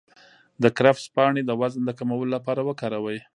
د کرفس پاڼې د وزن د کمولو لپاره وکاروئ